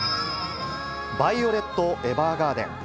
ヴァイオレット・エヴァーガーデン。